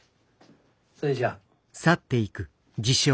それじゃあ。